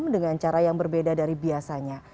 dengan cara yang berbeda dari biasanya